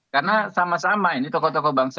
karena sama sama ini tokoh tokoh bangsa